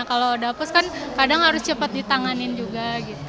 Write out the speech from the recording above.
kalau dapus kan kadang harus cepat ditanganin juga